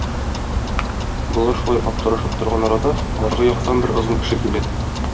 Болар шулай аптырашып торган арада, аргы яктан бер озын кеше килә.